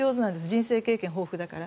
人生経験が豊富だから。